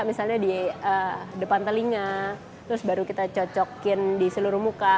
misalnya di depan telinga terus baru kita cocokin di seluruh muka